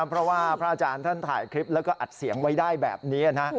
เพราะว่าพระอาจารย์ท่านถ่ายคลิปแล้วก็อัดเสียงไว้ได้แบบนี้นะ